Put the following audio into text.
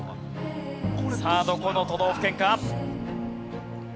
さあどこの都道府県か？